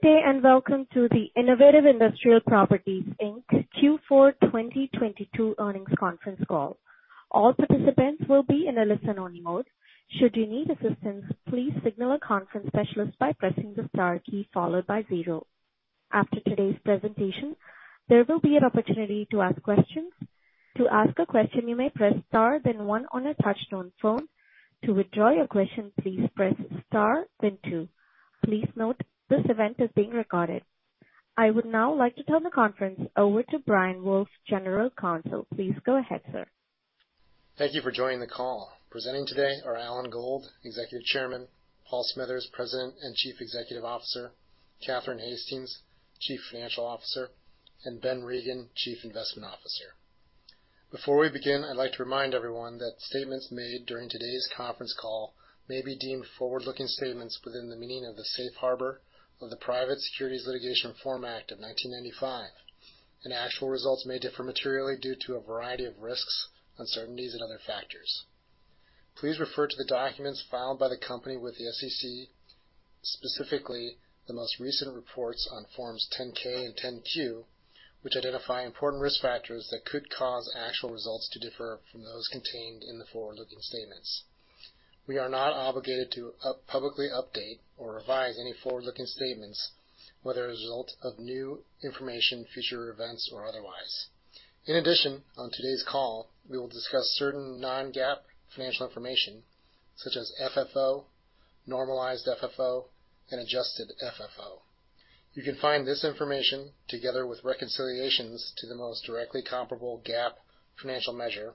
Good day, and welcome to the Innovative Industrial Properties Inc. Q4 2022 earnings conference call. All participants will be in a listen-only mode. Should you need assistance, please signal a conference specialist by pressing the star key followed by zero. After today's presentation, there will be an opportunity to ask questions. To ask a question, you may press star then one on a touch-tone phone. To withdraw your question, please press star then two. Please note this event is being recorded. I would now like to turn the conference over to Brian Wolfe, General Counsel. Please go ahead, sir. Thank you for joining the call. Presenting today are Alan Gold, Executive Chairman, Paul Smithers, President and Chief Executive Officer, Catherine Hastings, Chief Financial Officer, and Ben Regin, Chief Investment Officer. Before we begin, I'd like to remind everyone that statements made during today's conference call may be deemed forward-looking statements within the meaning of the safe harbor of the Private Securities Litigation Reform Act of 1995. Actual results may differ materially due to a variety of risks, uncertainties, and other factors. Please refer to the documents filed by the company with the SEC, specifically the most recent reports on Forms 10-K and 10-Q, which identify important risk factors that could cause actual results to differ from those contained in the forward-looking statements. We are not obligated to publicly update or revise any forward-looking statements, whether as a result of new information, future events, or otherwise. In addition, on today's call, we will discuss certain non-GAAP financial information such as FFO, normalized FFO, and adjusted FFO. You can find this information together with reconciliations to the most directly comparable GAAP financial measure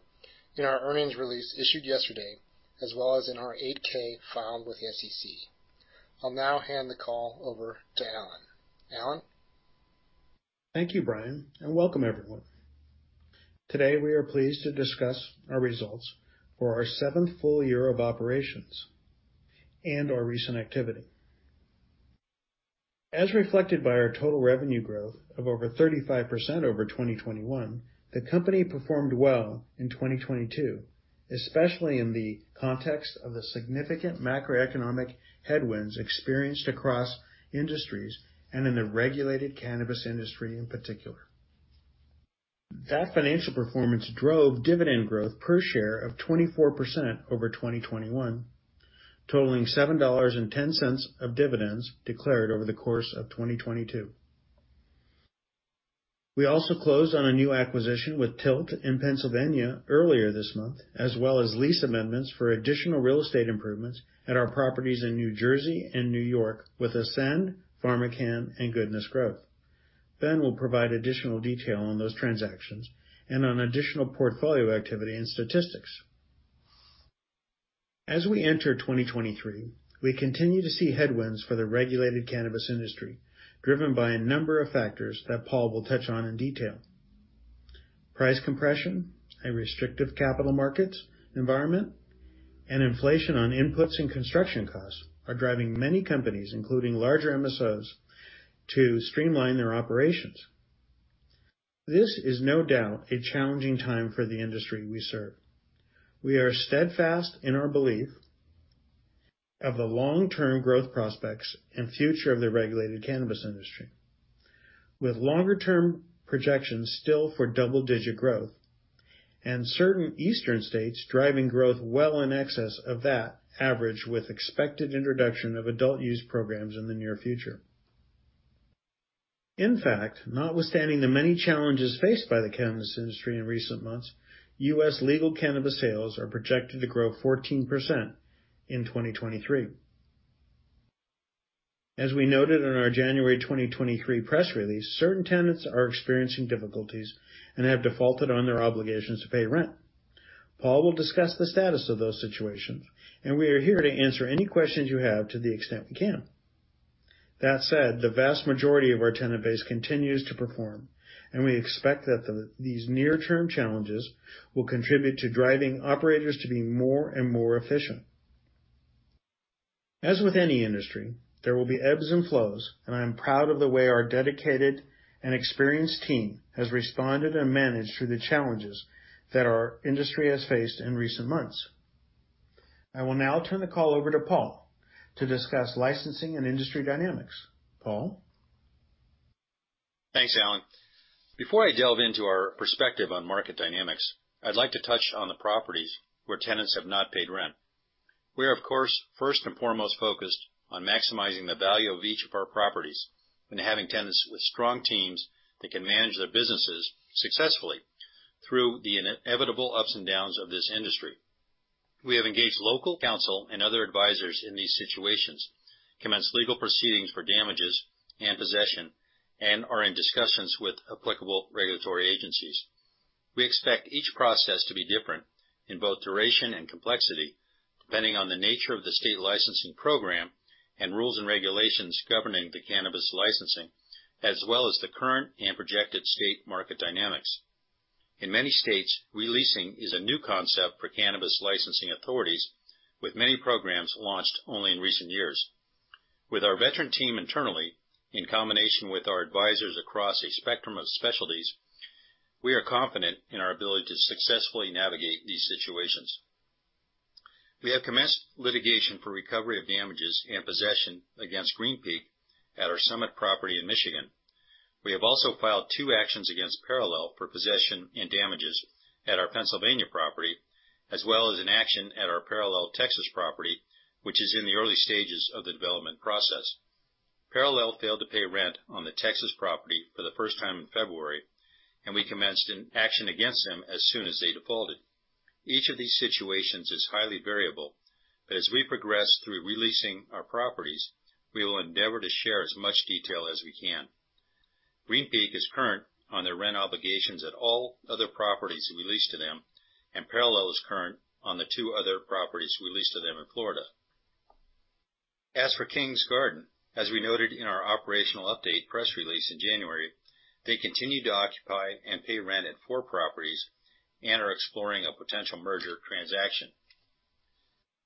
in our earnings release issued yesterday, as well as in our 8-K filed with the SEC. I'll now hand the call over to Alan. Alan. Thank you, Brian. Welcome everyone. Today, we are pleased to discuss our results for our seventh full year of operations and our recent activity. As reflected by our total revenue growth of over 35% over 2021, the company performed well in 2022, especially in the context of the significant macroeconomic headwinds experienced across industries and in the regulated cannabis industry in particular. That financial performance drove dividend growth per share of 24% over 2021, totaling $7.10 of dividends declared over the course of 2022. We also closed on a new acquisition with Tilt in Pennsylvania earlier this month, as well as lease amendments for additional real estate improvements at our properties in New Jersey and New York with Ascend, PharmaCann, and Goodness Growth. Ben will provide additional detail on those transactions and on additional portfolio activity and statistics. As we enter 2023, we continue to see headwinds for the regulated cannabis industry, driven by a number of factors that Paul will touch on in detail. Price compression and restrictive capital markets environment and inflation on inputs and construction costs are driving many companies, including larger MSOs, to streamline their operations. This is no doubt a challenging time for the industry we serve. We are steadfast in our belief of the long-term growth prospects and future of the regulated cannabis industry, with longer-term projections still for double-digit growth and certain eastern states driving growth well in excess of that average with expected introduction of adult use programs in the near future. In fact, notwithstanding the many challenges faced by the cannabis industry in recent months, U.S. legal cannabis sales are projected to grow 14% in 2023. As we noted in our January 2023 press release, certain tenants are experiencing difficulties and have defaulted on their obligations to pay rent. Paul will discuss the status of those situations, and we are here to answer any questions you have to the extent we can. That said, the vast majority of our tenant base continues to perform, and we expect that these near-term challenges will contribute to driving operators to be more and more efficient. As with any industry, there will be ebbs and flows, and I am proud of the way our dedicated and experienced team has responded and managed through the challenges that our industry has faced in recent months. I will now turn the call over to Paul to discuss licensing and industry dynamics. Paul. Thanks, Alan. Before I delve into our perspective on market dynamics, I'd like to touch on the properties where tenants have not paid rent. We are, of course, first and foremost focused on maximizing the value of each of our properties and having tenants with strong teams that can manage their businesses successfully through the inevitable ups and downs of this industry. We have engaged local counsel and other advisors in these situations, commenced legal proceedings for damages and possession, and are in discussions with applicable regulatory agencies. We expect each process to be different in both duration and complexity, depending on the nature of the state licensing program and rules and regulations governing the cannabis licensing, as well as the current and projected state market dynamics. In many states, re-leasing is a new concept for cannabis licensing authorities, with many programs launched only in recent years. With our veteran team internally, in combination with our advisors across a spectrum of specialties, we are confident in our ability to successfully navigate these situations. We have commenced litigation for recovery of damages and possession against Green Peak at our Summit property in Michigan. We have also filed two actions against Parallel for possession and damages at our Pennsylvania property, as well as an action at our Parallel Texas property, which is in the early stages of the development process. Parallel failed to pay rent on the Texas property for the first time in February, and we commenced an action against them as soon as they defaulted. Each of these situations is highly variable, but as we progress through releasing our properties, we will endeavor to share as much detail as we can. Green Peak is current on their rent obligations at all other properties we lease to them, and Parallel is current on the two other properties we lease to them in Florida. For Kings Garden, as we noted in our operational update press release in January, they continue to occupy and pay rent at four properties and are exploring a potential merger transaction.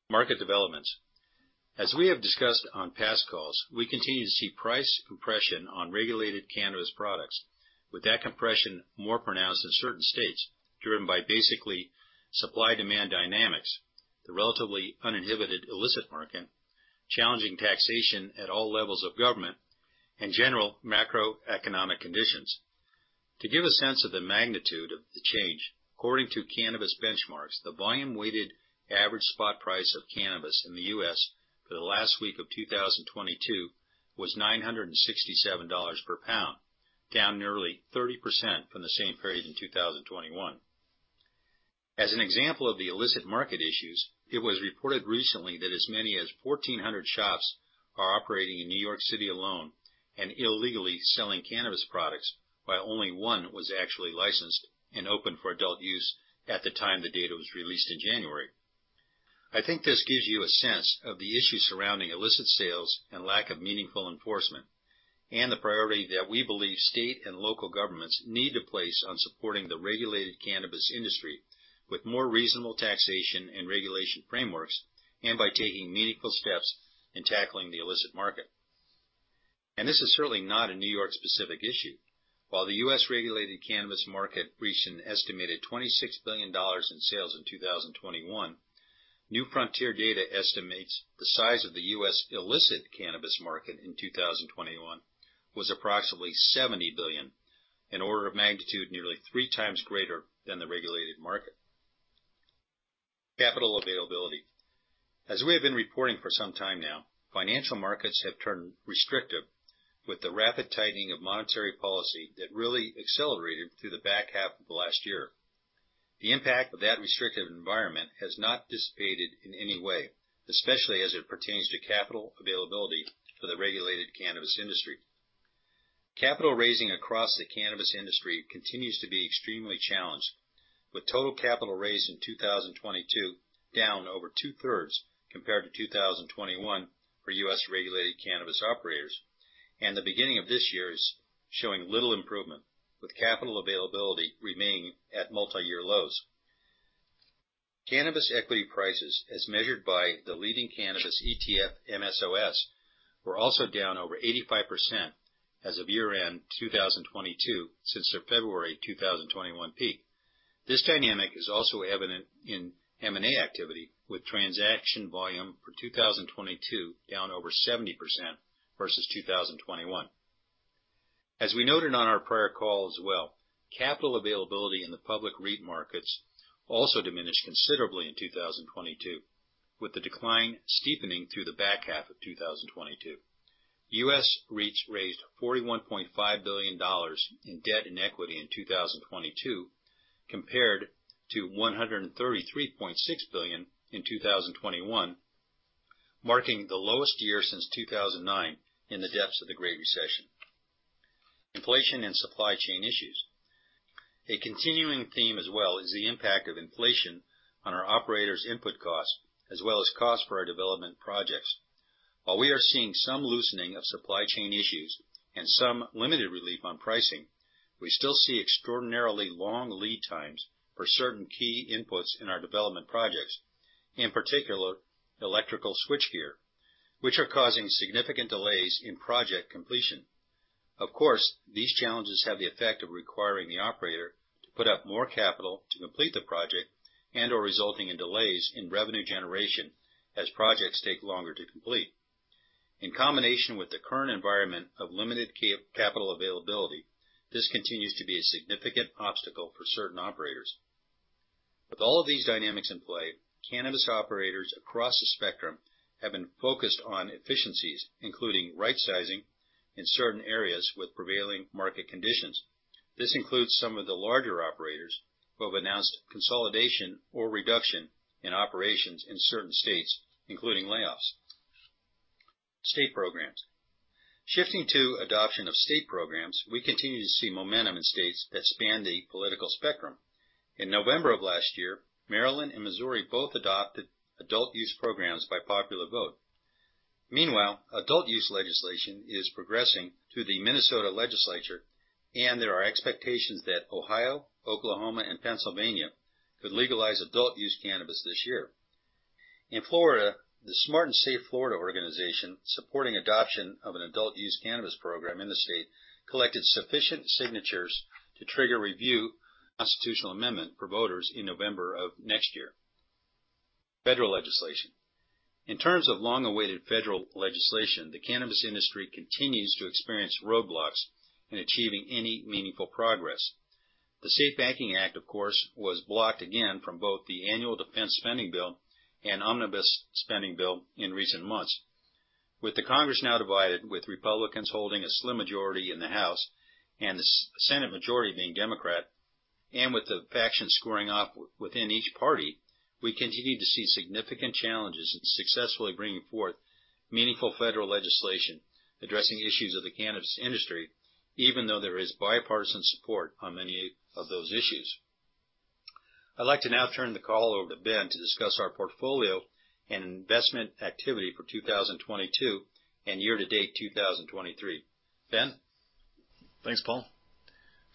Market developments. As we have discussed on past calls, we continue to see price compression on regulated cannabis products, with that compression more pronounced in certain states, driven by basically supply-demand dynamics, the relatively uninhibited illicit market, challenging taxation at all levels of government, and general macroeconomic conditions. To give a sense of the magnitude of the change, according to Cannabis Benchmarks, the volume-weighted average spot price of cannabis in the U.S. for the last week of 2022 was $967 per pound, down nearly 30% from the same period in 2021. As an example of the illicit market issues, it was reported recently that as many as 1,400 shops are operating in New York City alone and illegally selling cannabis products, while only one was actually licensed and open for adult use at the time the data was released in January. I think this gives you a sense of the issues surrounding illicit sales and lack of meaningful enforcement, and the priority that we believe state and local governments need to place on supporting the regulated cannabis industry with more reasonable taxation and regulation frameworks, and by taking meaningful steps in tackling the illicit market. This is certainly not a New York-specific issue. While the U.S.. regulated cannabis market reached an estimated $26 billion in sales in 2021, New Frontier Data estimates the size of the U.S. illicit cannabis market in 2021 was approximately $70 billion, an order of magnitude nearly three times greater than the regulated market. Capital availability. As we have been reporting for some time now, financial markets have turned restrictive with the rapid tightening of monetary policy that really accelerated through the back half of last year. The impact of that restrictive environment has not dissipated in any way, especially as it pertains to capital availability for the regulated cannabis industry. Capital raising across the cannabis industry continues to be extremely challenged, with total capital raised in 2022 down over 2/3 compared to 2021 for U.S. regulated cannabis operators. The beginning of this year is showing little improvement, with capital availability remaining at multi-year lows. Cannabis equity prices, as measured by the leading cannabis ETF MSOS, were also down over 85% as of year-end 2022 since their February 2021 peak. This dynamic is also evident in M&A activity, with transaction volume for 2022 down over 70% versus 2021. As we noted on our prior call as well, capital availability in the public REIT markets also diminished considerably in 2022, with the decline steepening through the back half of 2022. U.S.. REITs raised $41.5 billion in debt and equity in 2022, compared to $133.6 billion in 2021, marking the lowest year since 2009 in the depths of the Great Recession. Inflation and supply chain issues. A continuing theme as well is the impact of inflation on our operators' input costs, as well as costs for our development projects. While we are seeing some loosening of supply chain issues and some limited relief on pricing, we still see extraordinarily long lead times for certain key inputs in our development projects, in particular electrical switchgear, which are causing significant delays in project completion. Of course, these challenges have the effect of requiring the operator to put up more capital to complete the project and or resulting in delays in revenue generation as projects take longer to complete. In combination with the current environment of limited capital availability, this continues to be a significant obstacle for certain operators. With all of these dynamics in play, cannabis operators across the spectrum have been focused on efficiencies, including right-sizing in certain areas with prevailing market conditions. This includes some of the larger operators who have announced consolidation or reduction in operations in certain states, including layoffs. State programs. Shifting to adoption of state programs, we continue to see momentum in states that span the political spectrum. In November of last year, Maryland and Missouri both adopted adult use programs by popular vote. Meanwhile, adult use legislation is progressing through the Minnesota legislature, and there are expectations that Ohio, Oklahoma, and Pennsylvania could legalize adult use cannabis this year. In Florida, the Smart & Safe Florida organization supporting adoption of an adult use cannabis program in the state collected sufficient signatures to trigger review constitutional amendment for voters in November of next year. Federal legislation. In terms of long-awaited federal legislation, the cannabis industry continues to experience roadblocks in achieving any meaningful progress. The SAFE Banking Act, of course, was blocked again from both the annual defense spending bill and omnibus spending bill in recent months. With the Congress now divided, with Republicans holding a slim majority in the House and the Senate majority being Democrat, and with the factions squaring off within each party, we continue to see significant challenges in successfully bringing forth meaningful federal legislation addressing issues of the cannabis industry, even though there is bipartisan support on many of those issues. I'd like to now turn the call over to Ben to discuss our portfolio and investment activity for 2022 and year-to-date 2023. Ben? Thanks, Paul.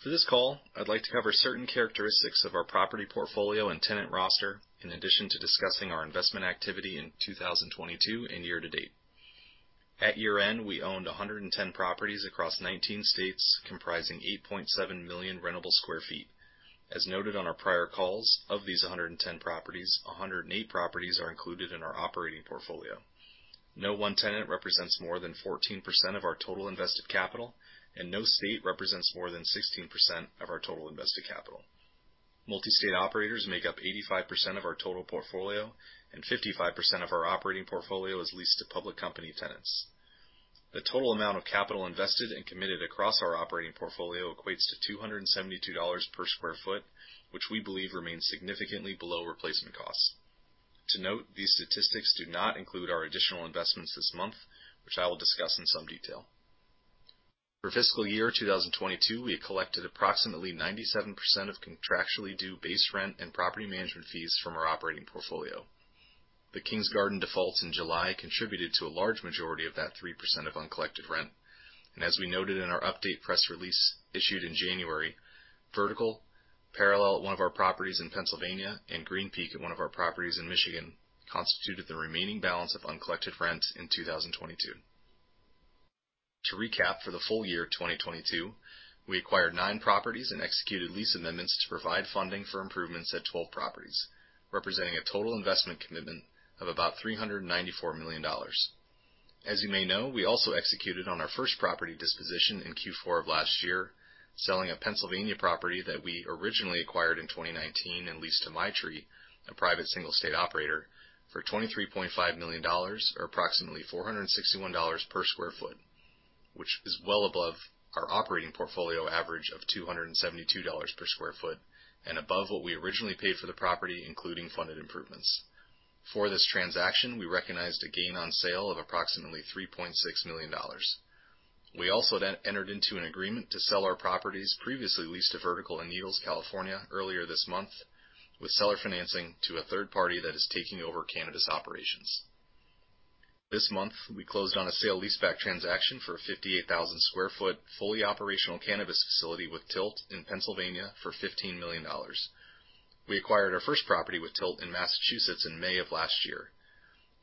For this call, I'd like to cover certain characteristics of our property portfolio and tenant roster, in addition to discussing our investment activity in 2022 and year-to-date. At year-end, we owned 110 properties across 19 states, comprising 8.7 million rentable sq ft. As noted on our prior calls, of these 110 properties, 108 properties are included in our operating portfolio. No one tenant represents more than 14% of our total invested capital, and no state represents more than 16% of our total invested capital. Multi-state operators make up 85% of our total portfolio, and 55% of our operating portfolio is leased to public company tenants. The total amount of capital invested and committed across our operating portfolio equates to $272 per sq ft, which we believe remains significantly below replacement costs. To note, these statistics do not include our additional investments this month, which I will discuss in some detail. For fiscal year 2022, we collected approximately 97% of contractually due base rent and property management fees from our operating portfolio. The Kings Garden defaults in July contributed to a large majority of that 3% of uncollected rent. As we noted in our update press release issued in January, Vertical, Parallel at one of our properties in Pennsylvania, and Green Peak at one of our properties in Michigan, constituted the remaining balance of uncollected rent in 2022. To recap, for the full year of 2022, we acquired nine properties and executed lease amendments to provide funding for improvements at 12 properties, representing a total investment commitment of about $394 million. As you may know, we also executed on our first property disposition in Q4 of last year, selling a Pennsylvania property that we originally acquired in 2019 and leased to Maitri, a private single state operator, for $23.5 million or approximately $461 per square foot, which is well above our operating portfolio average of $272 per square foot and above what we originally paid for the property, including funded improvements. For this transaction, we recognized a gain on sale of approximately $3.6 million. We also then entered into an agreement to sell our properties previously leased to Vertical and Needles California earlier this month with seller financing to a third party that is taking over cannabis operations. This month, we closed on a sale-leaseback transaction for a 58,000 sq ft, fully operational cannabis facility with Tilt in Pennsylvania for $15 million. We acquired our first property with Tilt in Massachusetts in May of last year.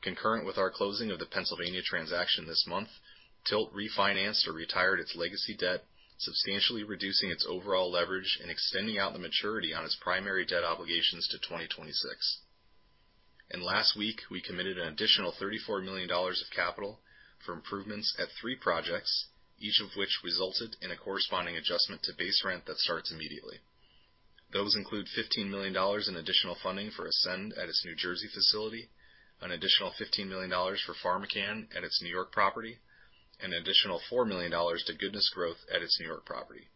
Concurrent with our closing of the Pennsylvania transaction this month, Tilt refinanced or retired its legacy debt, substantially reducing its overall leverage and extending out the maturity on its primary debt obligations to 2026. Last week, we committed an additional $34 million of capital for improvements at three projects, each of which resulted in a corresponding adjustment to base rent that starts immediately. Those include $15 million in additional funding for Ascend at its New Jersey facility, an additional $15 million for PharmaCann at its New York property, and an additional $4 million to Goodness Growth at its New York property.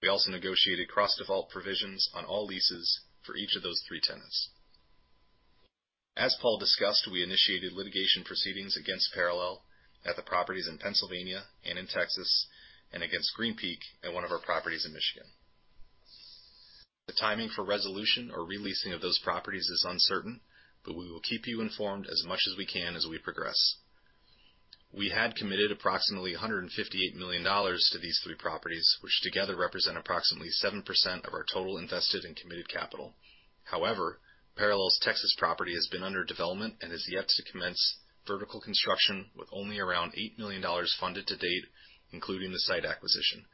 We also negotiated cross-default provisions on all leases for each of those three tenants. As Paul discussed, we initiated litigation proceedings against Parallel at the properties in Pennsylvania and in Texas and against Green Peak at one of our properties in Michigan. The timing for resolution or re-leasing of those properties is uncertain. We will keep you informed as much as we can as we progress. We had committed approximately $158 million to these three properties, which together represent approximately 7% of our total invested and committed capital. Parallel's Texas property has been under development and is yet to commence vertical construction with only around $8 million funded to date, including the site acquisition.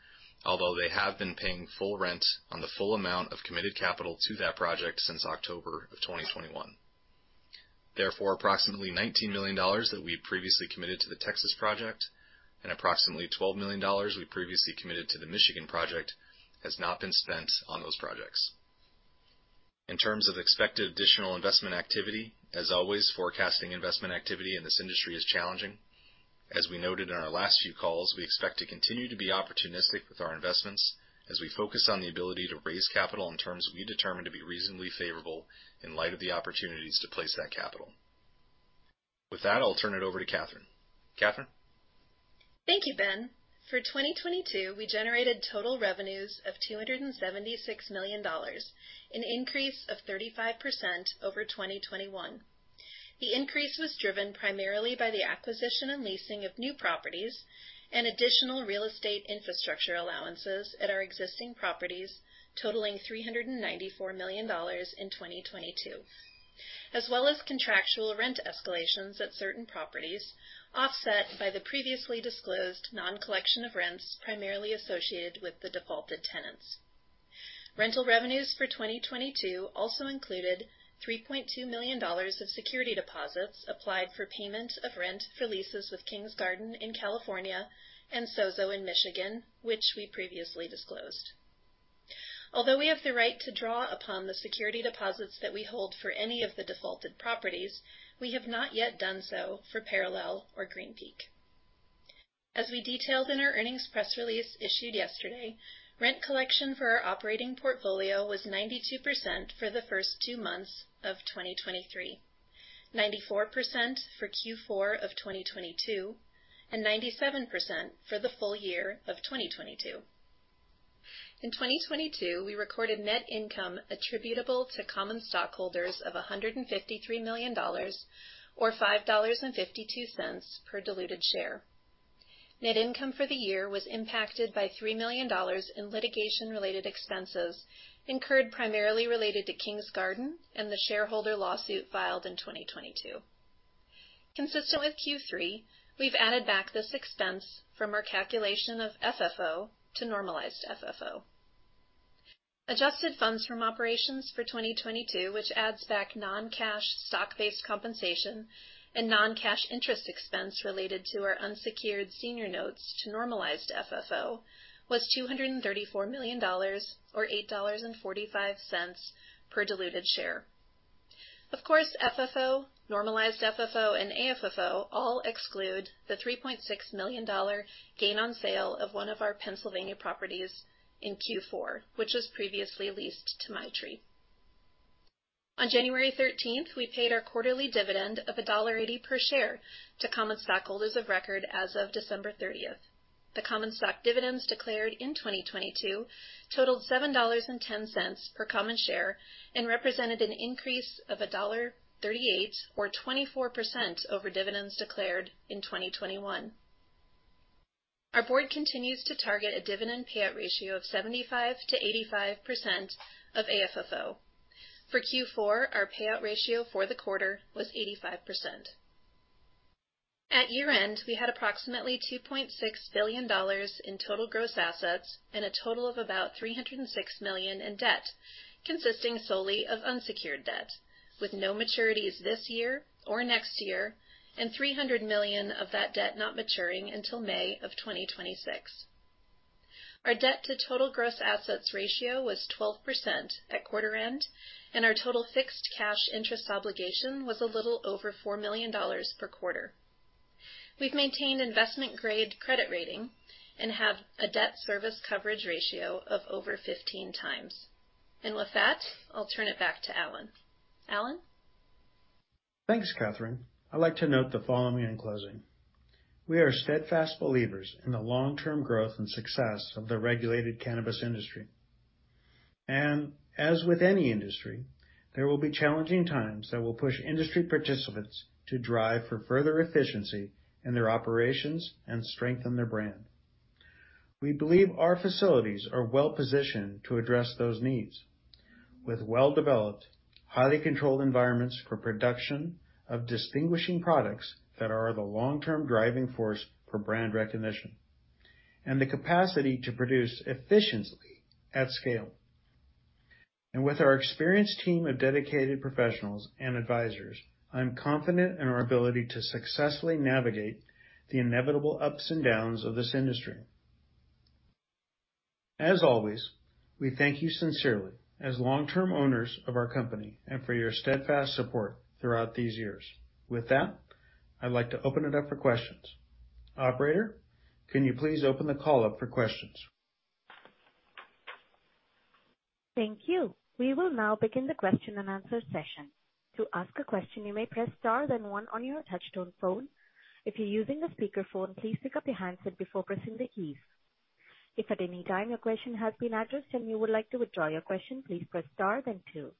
They have been paying full rent on the full amount of committed capital to that project since October of 2021. Approximately $19 million that we previously committed to the Texas project and approximately $12 million we previously committed to the Michigan project has not been spent on those projects. In terms of expected additional investment activity, as always, forecasting investment activity in this industry is challenging. As we noted in our last few calls, we expect to continue to be opportunistic with our investments as we focus on the ability to raise capital in terms we determine to be reasonably favorable in light of the opportunities to place that capital. With that, I'll turn it over to Catherine. Catherine? Thank you, Ben. For 2022, we generated total revenues of $276 million, an increase of 35% over 2021. The increase was driven primarily by the acquisition and leasing of new properties and additional real estate infrastructure allowances at our existing properties totaling $394 million in 2022. As well as contractual rent escalations at certain properties, offset by the previously disclosed non-collection of rents primarily associated with the defaulted tenants. Rental revenues for 2022 also included $3.2 million of security deposits applied for payment of rent for leases with Kings Garden in California and Sozo in Michigan, which we previously disclosed. Although we have the right to draw upon the security deposits that we hold for any of the defaulted properties, we have not yet done so for Parallel or Green Peak. We detailed in our earnings press release issued yesterday, rent collection for our operating portfolio was 92% for the first two months of 2023, 94% for Q4 of 2022, and 97% for the full year of 2022. In 2022, we recorded net income attributable to common stockholders of $153 million or $5.52 per diluted share. Net income for the year was impacted by $3 million in litigation-related expenses incurred primarily related to Kings Garden and the shareholder lawsuit filed in 2022. Consistent with Q3, we've added back this expense from our calculation of FFO to normalized FFO. Adjusted funds from operations for 2022, which adds back non-cash stock-based compensation and non-cash interest expense related to our unsecured senior notes to normalized FFO, was $234 million or $8.45 per diluted share. Of course, FFO, normalized FFO, and AFFO all exclude the $3.6 million gain on sale of one of our Pennsylvania properties in Q4, which was previously leased to Maitri. On January 13th, we paid our quarterly dividend of $1.80 per share to common stockholders of record as of December 30th. The common stock dividends declared in 2022 totaled $7.10 per common share and represented an increase of $1.38 or 24% over dividends declared in 2021. Our board continues to target a dividend payout ratio of 75%-85% of AFFO. For Q4, our payout ratio for the quarter was 85%. At year-end, we had approximately $2.6 billion in total gross assets and a total of about $306 million in debt, consisting solely of unsecured debt, with no maturities this year or next year, and $300 million of that debt not maturing until May of 2026. Our debt to total gross assets ratio was 12% at quarter end, and our total fixed cash interest obligation was a little over $4 million per quarter. We've maintained investment-grade credit rating and have a debt service coverage ratio of over 15 times. With that, I'll turn it back to Alan. Alan? Thanks, Catherine. I'd like to note the following in closing. We are steadfast believers in the long-term growth and success of the regulated cannabis industry. As with any industry, there will be challenging times that will push industry participants to drive for further efficiency in their operations and strengthen their brand. We believe our facilities are well-positioned to address those needs with well-developed, highly controlled environments for production of distinguishing products that are the long-term driving force for brand recognition and the capacity to produce efficiently at scale. With our experienced team of dedicated professionals and advisors, I'm confident in our ability to successfully navigate the inevitable ups and downs of this industry. As always, we thank you sincerely as long-term owners of our company and for your steadfast support throughout these years. With that, I'd like to open it up for questions. Operator, can you please open the call up for questions? Thank you. We will now begin the question and answer session. To ask a question, you may press star then one on your touchtone phone. If you're using a speaker phone, please pick up your handset before pressing the keys. If at any time your question has been addressed and you would like to withdraw your question, please press star then two.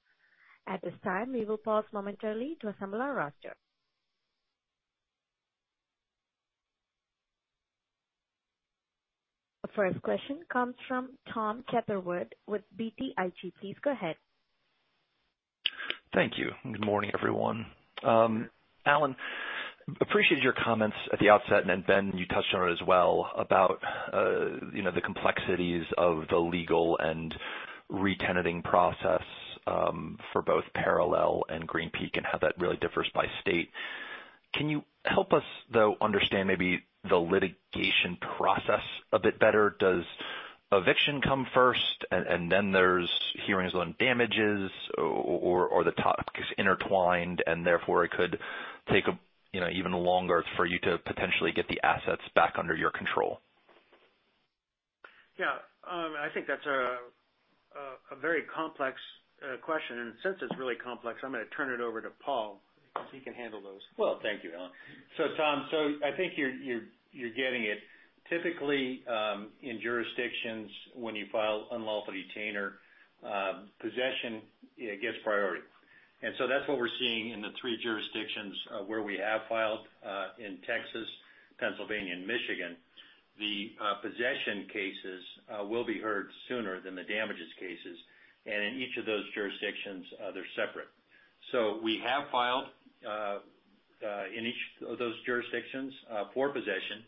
At this time, we will pause momentarily to assemble our roster. The first question comes from Tom Catherwood with BTIG. Please go ahead. Thank you. Good morning, everyone. Alan, appreciate your comments at the outset, and then Ben, you touched on it as well, about, you know, the complexities of the legal and re-tenanting process, for both Parallel and Green Peak and how that really differs by state. Can you help us, though, understand maybe the litigation process a bit better? Does eviction come first and then there's hearings on damages or the top is intertwined and therefore it could take, you know, even longer for you to potentially get the assets back under your control? Yeah. I think that's a very complex question, and since it's really complex, I'm gonna turn it over to Paul, because he can handle those. Well, thank you, Alan. Tom, I think you're getting it. Typically, in jurisdictions when you file unlawful detainer, possession, it gets priority. That's what we're seeing in the three jurisdictions where we have filed in Texas, Pennsylvania, and Michigan. The possession cases will be heard sooner than the damages cases. In each of those jurisdictions, they're separate. We have filed in each of those jurisdictions for possession,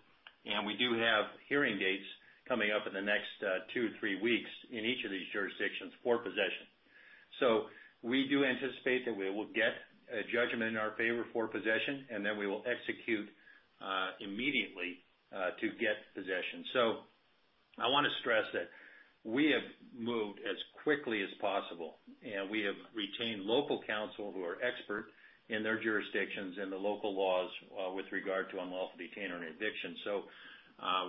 and we do have hearing dates coming up in the next two to three weeks in each of these jurisdictions for possession. We do anticipate that we will get a judgment in our favor for possession, and then we will execute immediately to get possession. I wanna stress that we have moved as quickly as possible, and we have retained local counsel who are expert in their jurisdictions and the local laws with regard to unlawful detainer and eviction.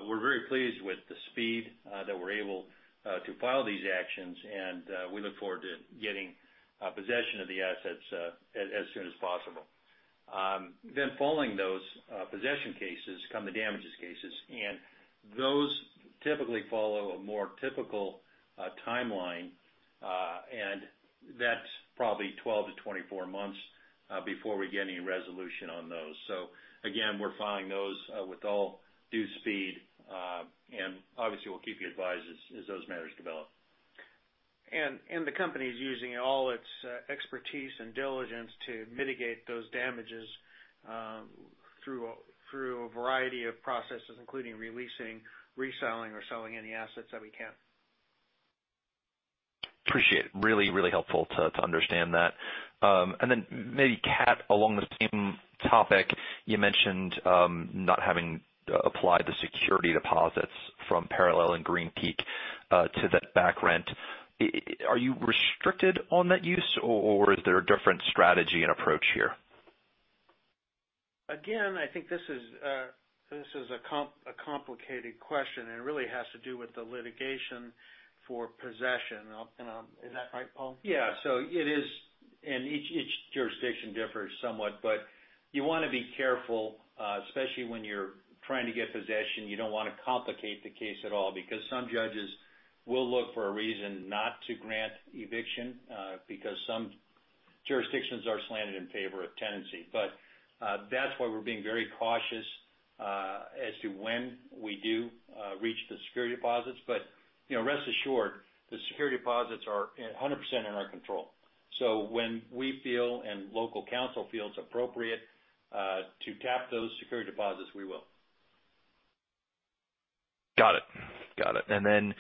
We're very pleased with the speed that we're able to file these actions, and we look forward to getting possession of the assets as soon as possible. Following those possession cases come the damages cases, and those typically follow a more typical timeline. That's probably 12 to 24 months before we get any resolution on those. Again, we're filing those with all due speed, and obviously, we'll keep you advised as those matters develop. The company is using all its expertise and diligence to mitigate those damages, through a variety of processes, including releasing, reselling, or selling any assets that we can. Appreciate it. Really helpful to understand that. Then maybe, Kat, along the same topic, you mentioned, not having applied the security deposits from Parallel and Green Peak, to that back rent. Are you restricted on that use, or is there a different strategy and approach here? I think this is a complicated question, and it really has to do with the litigation for possession. Is that right, Paul? It is. Each jurisdiction differs somewhat, but you wanna be careful, especially when you're trying to get possession. You don't wanna complicate the case at all, because some judges will look for a reason not to grant eviction, because some jurisdictions are slanted in favor of tenancy. That's why we're being very cautious as to when we do reach the security deposits. You know, rest assured, the security deposits are 100% in our control. When we feel and local counsel feels appropriate to tap those security deposits, we will. Got it. Got it. Then,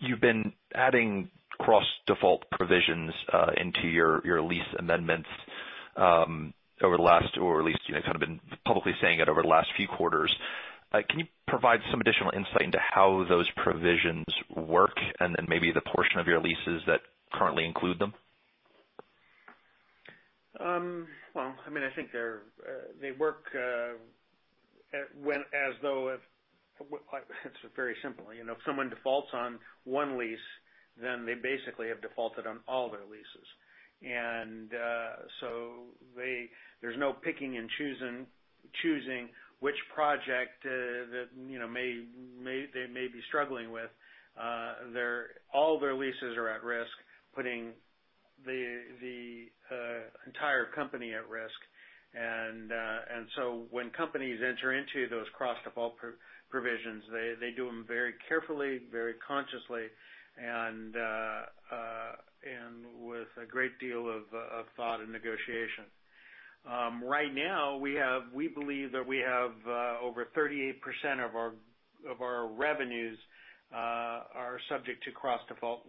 you've been adding cross-default provisions into your lease amendments, over the last or at least, you know, kind of been publicly saying it over the last few quarters. Can you provide some additional insight into how those provisions work and then maybe the portion of your leases that currently include them? Well, I mean, I think they're, they work. It's very simple. You know, if someone defaults on one lease, then they basically have defaulted on all their leases. there's no picking and choosing which project that, you know, they may be struggling with. all their leases are at risk, putting the entire company at risk. when companies enter into those cross-default provisions, they do them very carefully, very consciously, and with a great deal of thought and negotiation. Right now we believe that we have over 38% of our revenues are subject to cross-default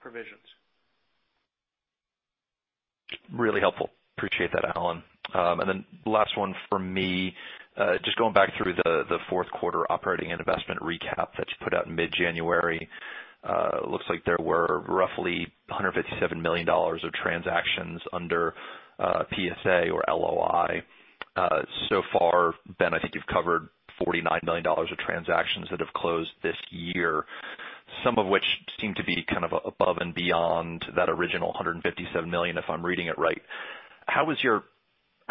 provisions. Really helpful. Appreciate that, Alan. Last one from me. Just going back through the fourth quarter operating and investment recap that you put out in mid-January. Looks like there were roughly $157 million of transactions under PSA or LOI. So far, Ben, I think you've covered $49 million of transactions that have closed this year, some of which seem to be kind of above and beyond that original $157 million, if I'm reading it right. How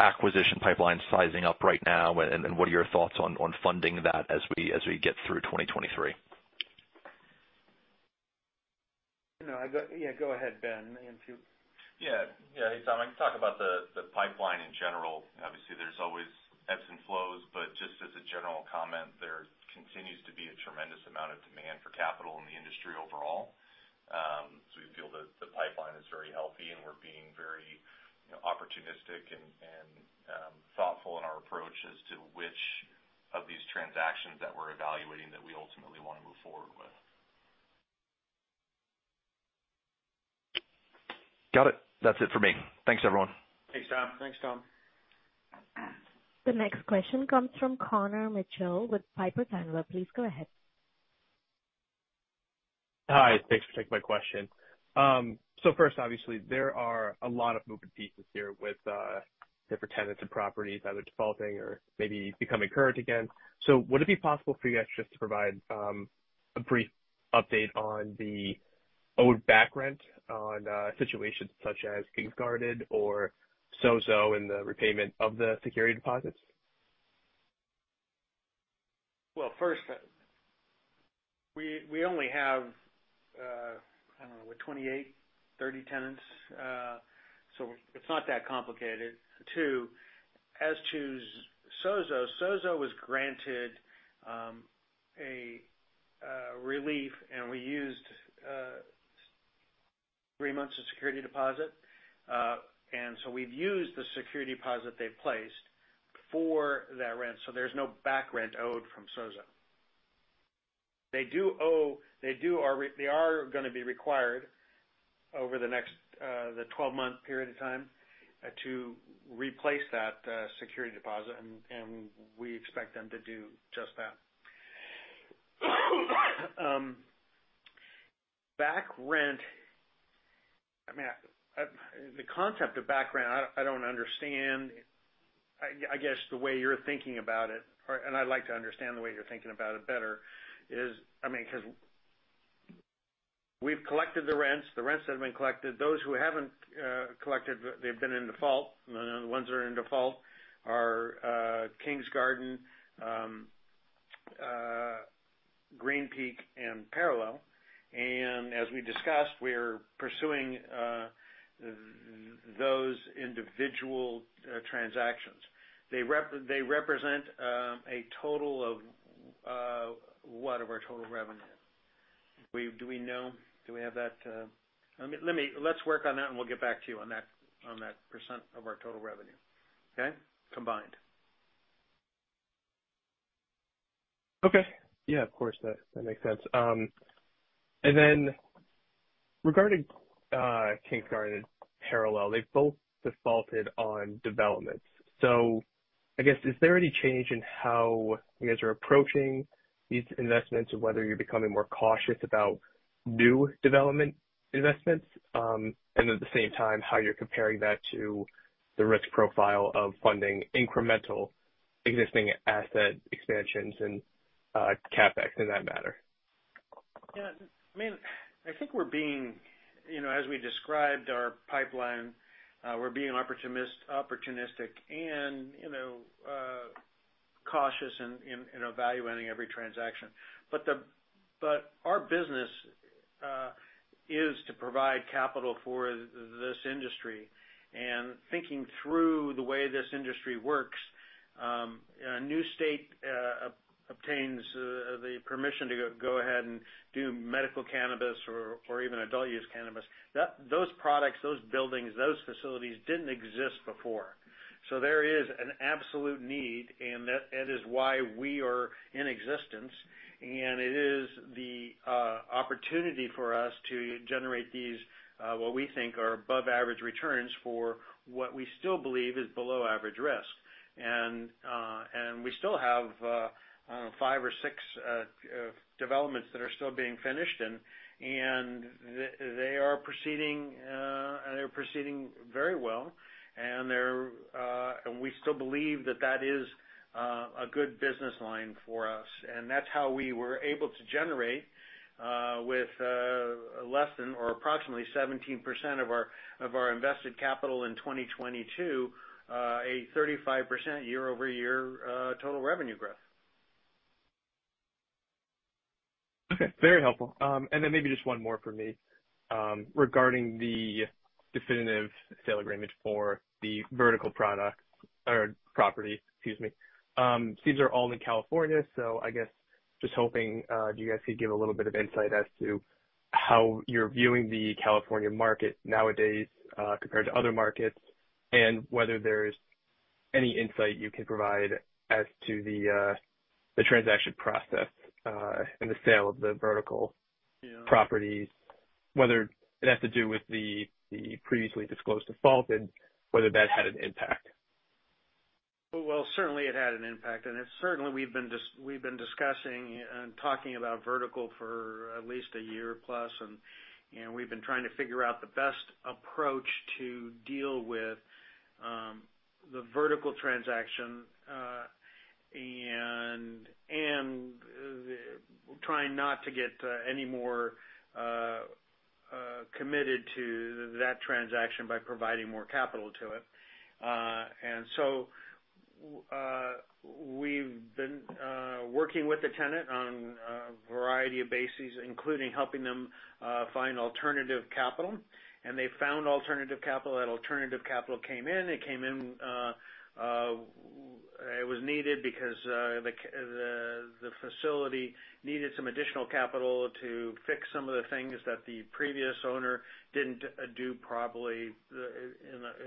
is your acquisition pipeline sizing up right now, what are your thoughts on funding that as we get through 2023? You know. Yeah, go ahead, Ben, if you. Yeah. Yeah. Hey, Tom, I can talk about the pipeline in general. Obviously, there's always ebbs and flows, but just as a general comment, there continues to be a tremendous amount of demand for capital in the industry overall. We feel that the pipeline is very healthy, and we're being very, you know, opportunistic and thoughtful in our approach as to which of these transactions that we're evaluating that we ultimately wanna move forward with. Got it. That's it for me. Thanks, everyone. Thanks, Tom. Thanks, Tom. The next question comes from Connor Mitchell with Piper Sandler. Please go ahead. Hi. Thanks for taking my question. First, obviously there are a lot of moving pieces here with different tenants and properties either defaulting or maybe becoming current again. Would it be possible for you guys just to provide a brief update on the owed back rent on situations such as Kings Garden or Sozo and the repayment of the security deposits? We only have, I don't know, what, 28, 30 tenants. It's not that complicated. Two, as to Sozo was granted a relief, we used three months of security deposit. We've used the security deposit they placed for that rent, there's no back rent owed from Sozo. They are gonna be required over the next 12-month period of time to replace that security deposit, and we expect them to do just that. Back rent. I mean, the concept of back rent, I don't understand. I guess the way you're thinking about it, I'd like to understand the way you're thinking about it better is, 'cause we've collected the rents. The rents that have been collected. Those who haven't collected, they've been in default. The ones that are in default are Kings Garden, Green Peak and Parallel. As we discussed, we're pursuing those individual transactions. They represent a total of what of our total revenue? Do we know? Do we have that? Let me, let's work on that, and we'll get back to you on that % of our total revenue. Okay? Combined. Okay. Yeah, of course, that makes sense. Regarding Kings Garden and Parallel, they both defaulted on developments. I guess, is there any change in how you guys are approaching these investments or whether you're becoming more cautious about new development investments, and at the same time how you're comparing that to the risk profile of funding incremental existing asset expansions and CapEx in that matter? Yeah, I mean, I think we're being, you know, as we described our pipeline, opportunistic and, you know, cautious in evaluating every transaction. Our business is to provide capital for this industry. Thinking through the way this industry works, a new state obtains the permission to go ahead and do medical cannabis or even adult use cannabis. Those products, those buildings, those facilities didn't exist before. There is an absolute need, and that is why we are in existence, and it is the opportunity for us to generate these, what we think are above average returns for what we still believe is below average risk. We still have, I don't know, five or six developments that are still being finished and they are proceeding, they're proceeding very well. They're, we still believe that that is a good business line for us. That's how we were able to generate, with less than or approximately 17% of our invested capital in 2022, a 35% year-over-year total revenue growth. Okay, very helpful. Maybe just one more from me. Regarding the definitive sale agreement for the Vertical product or property, excuse me. These are all in California. I guess just hoping you guys could give a little bit of insight as to how you're viewing the California market nowadays compared to other markets and whether there's any insight you can provide as to the transaction process and the sale of the Vertical... Yeah. -properties, whether it has to do with the previously disclosed defaulted, whether that had an impact. Well, certainly it had an impact. It's certainly we've been discussing and talking about Vertical for at least a year plus. We've been trying to figure out the best approach to deal with the Vertical transaction, and trying not to get any more committed to that transaction by providing more capital to it. We've been working with the tenant on a variety of bases, including helping them find alternative capital. They found alternative capital. That alternative capital came in. It came in. It was needed because the facility needed some additional capital to fix some of the things that the previous owner didn't do properly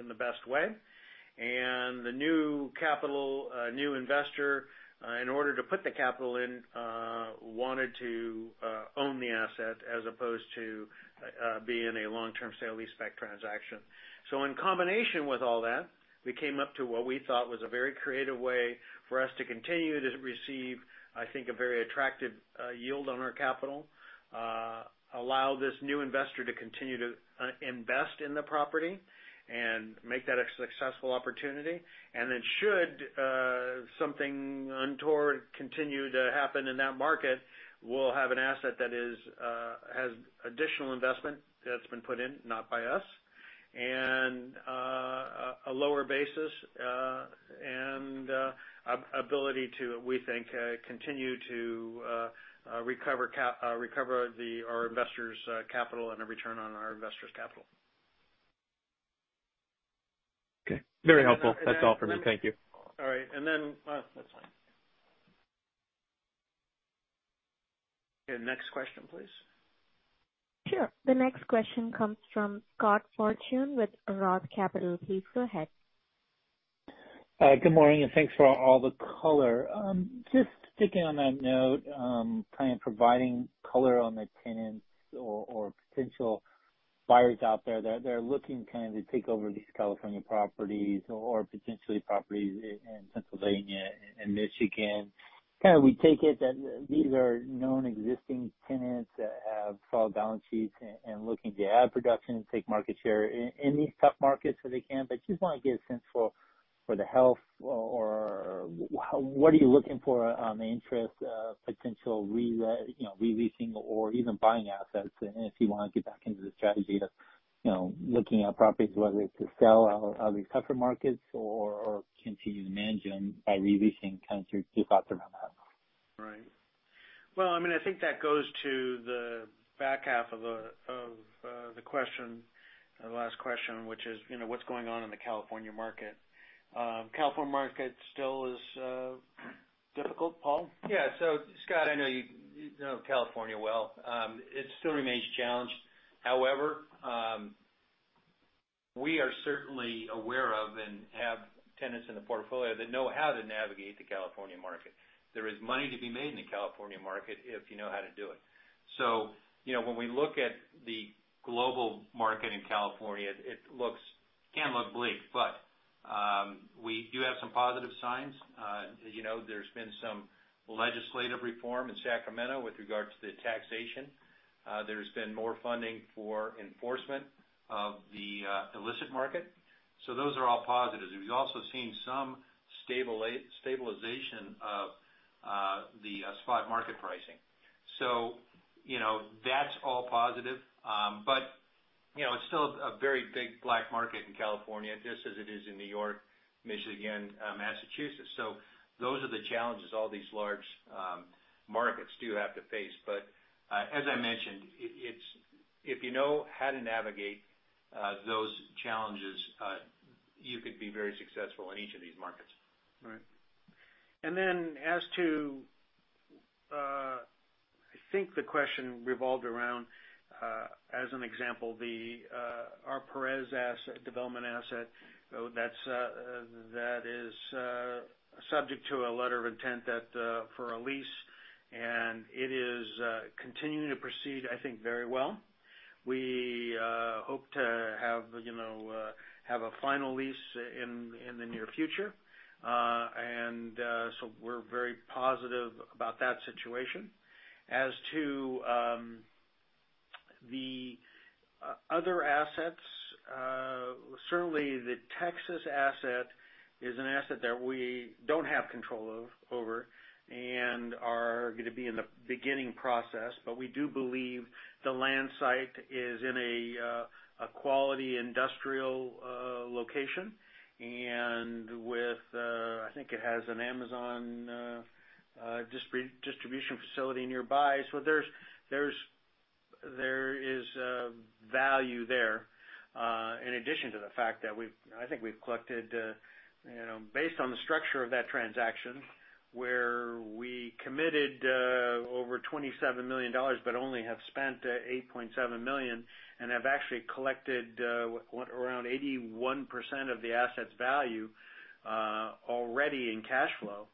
in the best way. The new capital, new investor, in order to put the capital in, wanted to own the asset as opposed to be in a long-term sale leaseback transaction. In combination with all that, we came up to what we thought was a very creative way for us to continue to receive, I think, a very attractive yield on our capital, allow this new investor to continue to invest in the property and make that a successful opportunity. Should something untoward continue to happen in that market, we'll have an asset that is has additional investment that's been put in, not by us, and a lower basis. Ability to, we think, continue to recover our investors' capital and a return on our investors' capital. Okay, very helpful. That's all for me. Thank you. All right. That's fine. Okay, next question, please. Sure. The next question comes from Scott Fortune with Roth Capital Partners. Please go ahead. Good morning, and thanks for all the color. Just sticking on that note, kind of providing color on the tenants or potential buyers out there that are looking kind of to take over these California properties or potentially properties in Pennsylvania and Michigan. Kind of we take it that these are known existing tenants that have solid balance sheets and looking to add production and take market share in these tough markets where they can. Just wanna get a sense for the health or what are you looking for on the interest, you know, re-leasing or even buying assets and if you wanna get back into the strategy of, you know, looking at properties whether to sell out of these tougher markets or continue to manage them by re-leasing. Kind of your thoughts around that. Well, I mean, I think that goes to the back half of the question, the last question, which is, you know, what's going on in the California market. California market still is difficult. Paul? Yeah. Scott, I know you know California well. It still remains challenged. However, we are certainly aware of and have tenants in the portfolio that know how to navigate the California market. There is money to be made in the California market if you know how to do it. You know, when we look at the global market in California, it can look bleak. We do have some positive signs. As you know, there's been some legislative reform in Sacramento with regards to the taxation. There's been more funding for enforcement of the illicit market. Those are all positives. We've also seen some stabilization of the spot market pricing. You know, that's all positive. You know, it's still a very big black market in California, just as it is in New York, Michigan, Massachusetts. Those are the challenges all these large markets do have to face. As I mentioned, it's if you know how to navigate those challenges, you could be very successful in each of these markets. Right. As to, I think the question revolved around, as an example, the, our Perez asset, development asset, that's, that is, subject to a letter of intent that, for a lease, and it is, continuing to proceed, I think, very well. We hope to have, you know, a final lease in the near future. We're very positive about that situation. As to, the other assets, certainly the Texas asset is an asset that we don't have control of, over, and are gonna be in the beginning process. We do believe the land site is in a quality industrial, location and with, I think it has an Amazon, distribution facility nearby. There is value there, in addition to the fact that we've collected, you know, based on the structure of that transaction, where we committed over $27 million but only have spent $8.7 million and have actually collected around 81% of the asset's value already in cash flow.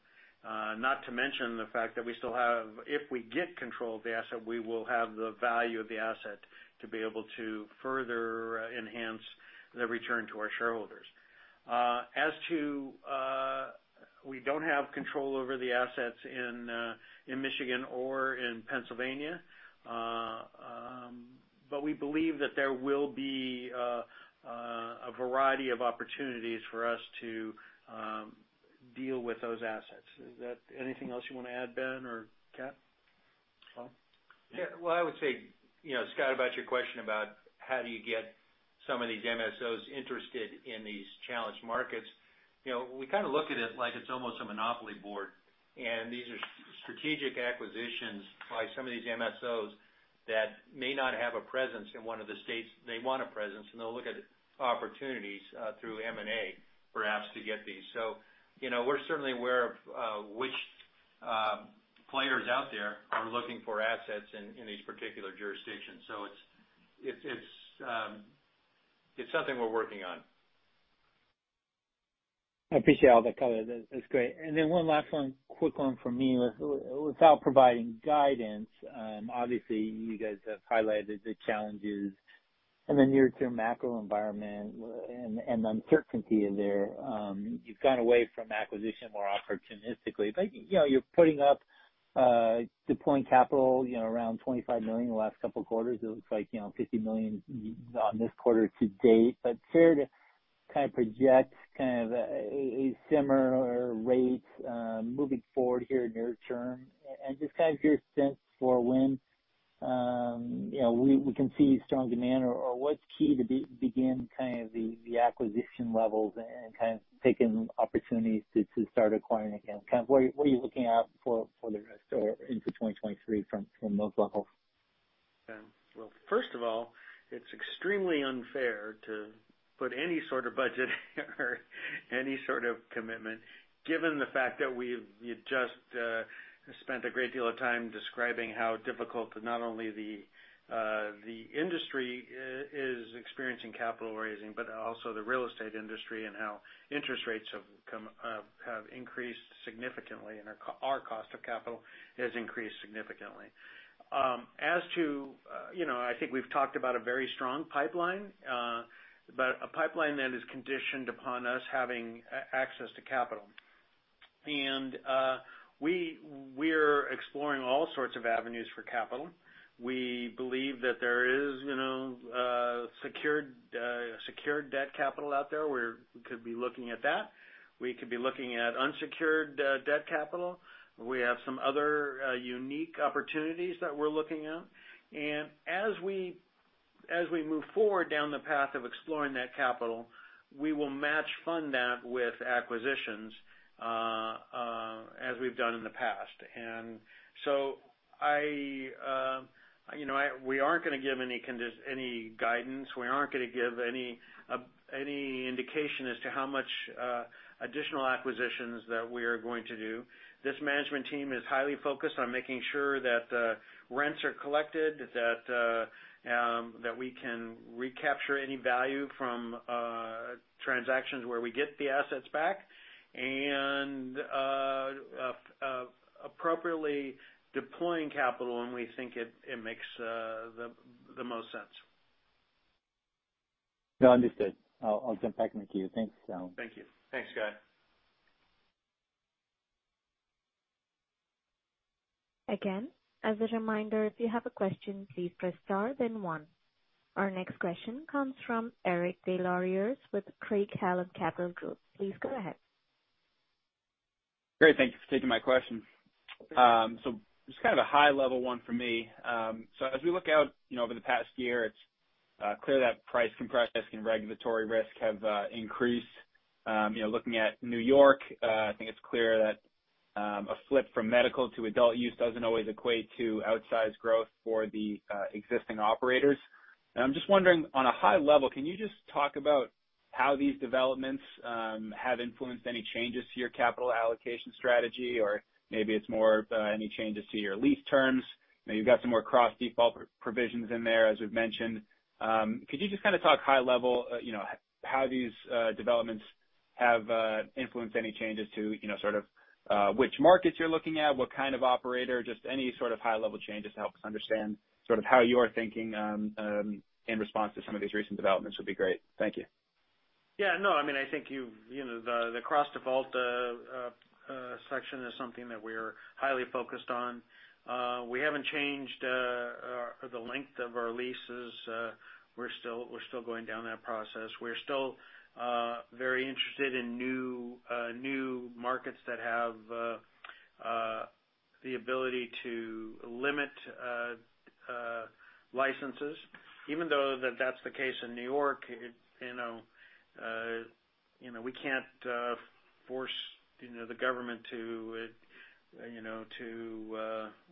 Not to mention the fact that we still have. If we get control of the asset, we will have the value of the asset to be able to further enhance the return to our shareholders. As to, we don't have control over the assets in Michigan or in Pennsylvania. We believe that there will be a variety of opportunities for us to deal with those assets. Is that anything else you wanna add, Ben or Kat? Paul? Well, I would say, you know, Scott, about your question about how do you get some of these MSOs interested in these challenged markets. You know, we kind of look at it like it's almost a monopoly board, and these are strategic acquisitions by some of these MSOs that may not have a presence in one of the states they want a presence, and they'll look at opportunities through M&A perhaps to get these. You know, we're certainly aware of which players out there are looking for assets in these particular jurisdictions. It's, it's something we're working on. I appreciate all the color. That's great. One last one, quick one from me. Without providing guidance, obviously you guys have highlighted the challenges in the near-term macro environment and the uncertainty there. You've gone away from acquisition more opportunistically, but, you know, you're putting up, deploying capital, you know, around $25 million in the last couple of quarters. It looks like, you know, $50 million on this quarter to date. Fair to kind of project a similar rate, moving forward here near term, and just kind of get a sense for when, You know, we can see strong demand or what's key to begin kind of the acquisition levels and kind of taking opportunities to start acquiring again. Kind of what are you, what are you looking at for the rest or into 2023 from those levels? Well, first of all, it's extremely unfair to put any sort of budget or any sort of commitment, given the fact that we've just spent a great deal of time describing how difficult not only the industry is experiencing capital raising, but also the real estate industry and how interest rates have come, have increased significantly and our cost of capital has increased significantly. As to, you know, I think we've talked about a very strong pipeline, but a pipeline that is conditioned upon us having access to capital. We, we're exploring all sorts of avenues for capital. We believe that there is, you know, secured debt capital out there. We could be looking at that. We could be looking at unsecured debt capital. We have some other, unique opportunities that we're looking at. As we move forward down the path of exploring that capital, we will match fund that with acquisitions, as we've done in the past. I, you know, we aren't gonna give any guidance. We aren't gonna give any indication as to how much additional acquisitions that we are going to do. This management team is highly focused on making sure that rents are collected, that we can recapture any value from transactions where we get the assets back and appropriately deploying capital when we think it makes the most sense. No, understood. I'll come back to you. Thanks. Thank you. Thanks, Guy. As a reminder, if you have a question, please press star then one. Our next question comes from Eric DesLauriers with Craig-Hallum Capital Group. Please go ahead. Great. Thank you for taking my question. So just kind of a high level one for me. So as we look out, you know, over the past year, it's clear that price compression and regulatory risk have increased. You know, looking at New York, I think it's clear that a flip from medical to adult use doesn't always equate to outsized growth for the existing operators. I'm just wondering, on a high level, can you just talk about how these developments have influenced any changes to your capital allocation strategy? Or maybe it's more of any changes to your lease terms. You know, you've got some more cross-default provisions in there, as we've mentioned. Could you just kind of talk high level, you know, how these developments have influenced any changes to, you know, sort of, which markets you're looking at, what kind of operator, just any sort of high level changes to help us understand sort of how you're thinking in response to some of these recent developments would be great. Thank you. Yeah, no, I mean, I think you've, you know, the cross-default section is something that we're highly focused on. We haven't changed the length of our leases. We're still going down that process. We're still very interested in new markets that have the ability to limit licenses, even though that that's the case in New York. You know, you know, we can't force, you know, the government to, you know, to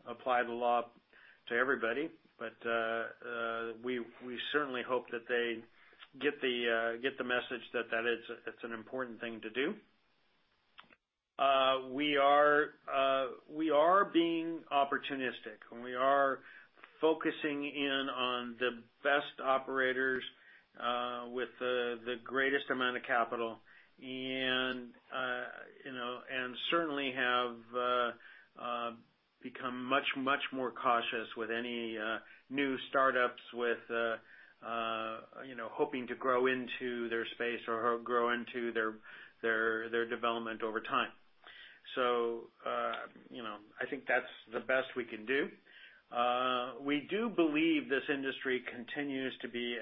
apply the law to everybody. We certainly hope that they get the message. It's an important thing to do. We are being opportunistic. We are focusing in on the best operators, with the greatest amount of capital and, you know, certainly have become much, much more cautious with any new startups with, you know, hoping to grow into their space or grow into their development over time. You know, I think that's the best we can do. We do believe this industry continues to be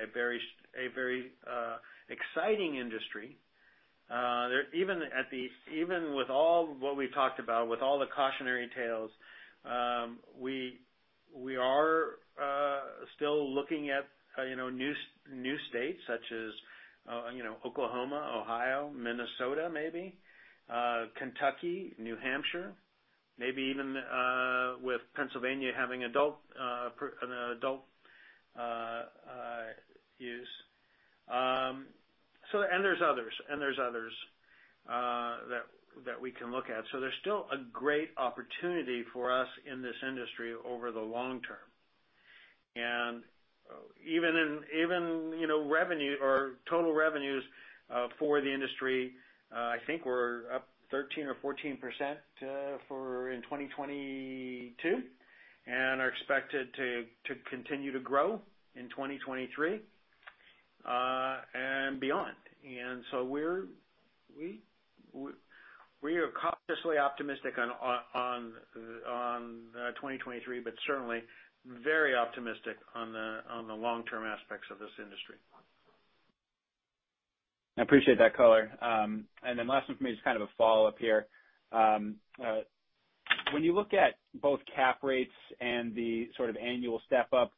a very exciting industry. Even with all what we've talked about, with all the cautionary tales, we are still looking at, you know, new states such as, you know, Oklahoma, Ohio, Minnesota maybe, Kentucky, New Hampshire, maybe even with Pennsylvania having an adult use. There's others, and there's others that we can look at. So there's still a great opportunity for us in this industry over the long term. Even in, even, you know, revenue or total revenues for the industry, I think we're up 13% or 14% in 2022, and are expected to continue to grow in 2023 and beyond. We are cautiously optimistic on 2023, but certainly very optimistic on the long-term aspects of this industry. I appreciate that color. Last one for me is kind of a follow-up here. When you look at both cap rates and the sort of annual step up,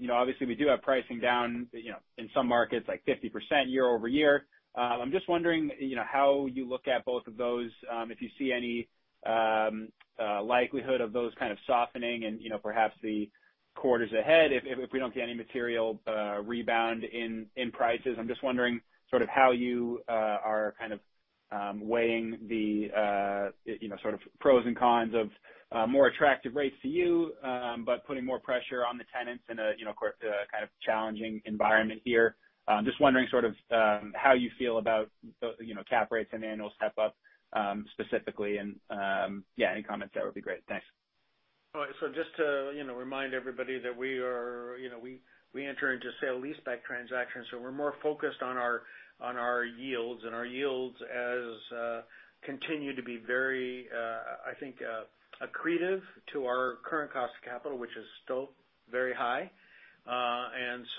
you know, obviously we do have pricing down, you know, in some markets like 50% year-over-year. I'm just wondering, you know, how you look at both of those, if you see any likelihood of those kind of softening and, you know, perhaps the quarters ahead if we don't see any material rebound in prices. I'm just wondering sort of how you are kind of weighing the, you know, sort of pros and cons of more attractive rates to you, but putting more pressure on the tenants in a, you know, kind of challenging environment here. Just wondering sort of, how you feel about the, you know, cap rates and annual step up specifically, and any comments there would be great. Thanks. Just to, you know, remind everybody that we are, you know, we enter into sale leaseback transactions, so we're more focused on our yields. Our yields as, continue to be very, I think, accretive to our current cost of capital, which is still very high. As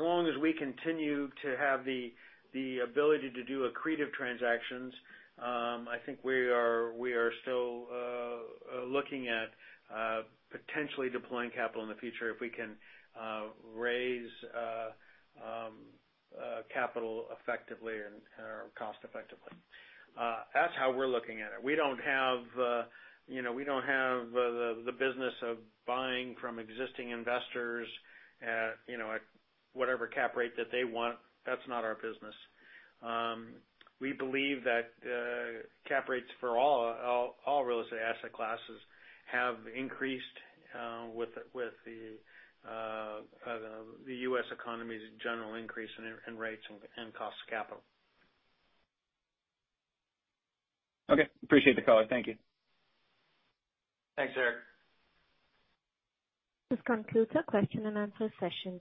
long as we continue to have the ability to do accretive transactions, I think we are still looking at potentially deploying capital in the future if we can raise capital effectively and, or cost effectively. That's how we're looking at it. We don't have, you know, we don't have the business of buying from existing investors at, you know, at whatever cap rate that they want. That's not our business. We believe that, cap rates for all real estate asset classes have increased, with the U.S. economy's general increase in rates and cost of capital. Okay. Appreciate the color. Thank you. Thanks, Eric. This concludes our question and answer session.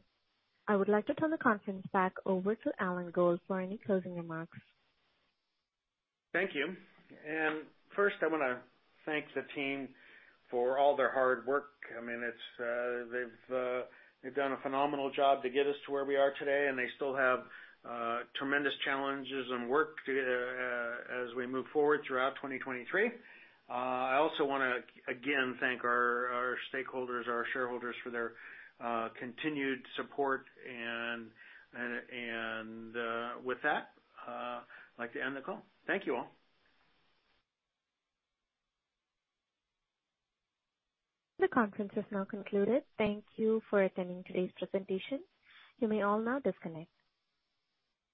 I would like to turn the conference back over to Alan Gold for any closing remarks. Thank you. First, I wanna thank the team for all their hard work. I mean, it's, they've done a phenomenal job to get us to where we are today, and they still have tremendous challenges and work to as we move forward throughout 2023. I also wanna, again, thank our stakeholders, our shareholders for their continued support and with that, I'd like to end the call. Thank you all. The conference has now concluded. Thank you for attending today's presentation. You may all now disconnect.